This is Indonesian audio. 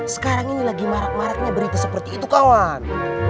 sekarang ini lagi marak maraknya berita seperti itu kawan